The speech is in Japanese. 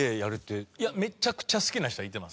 いやめちゃくちゃ好きな人はいてます。